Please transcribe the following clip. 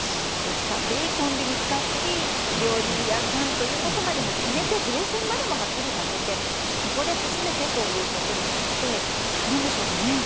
使っていいコンビニ使っていい料理屋さんまで決めて動線までもはっきりさせてそこで初めてということになってくるんでしょうかね。